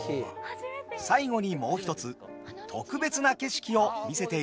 最後にもう一つ特別な景色を見せていただきました。